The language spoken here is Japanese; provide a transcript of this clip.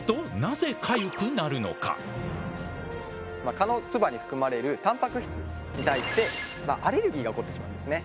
蚊の唾に含まれるたんぱく質に対してアレルギーが起こってしまうんですね。